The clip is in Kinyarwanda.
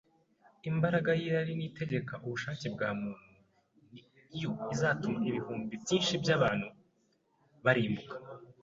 Imbaraga y’irari itegeka ubushake bwa muntu ni yo izatuma ibihumbi byinshi by’abantu barimbuka